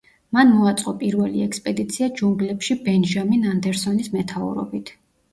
მან მოაწყო პირველი ექსპედიცია ჯუნგლებში ბენჟამინ ანდერსონის მეთაურობით.